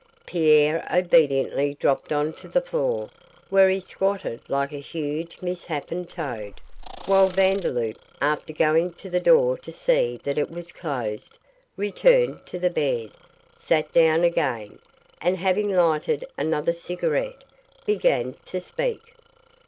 Pierre obediently dropped on to the floor, where he squatted like a huge misshapen toad, while Vandeloup, after going to the door to see that it was closed, returned to the bed, sat down again, and, having lighted another cigarette, began to speak.